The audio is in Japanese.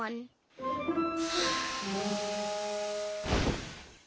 はあ。